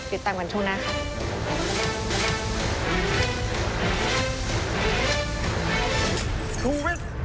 ติดตามกันช่วงหน้าค่ะ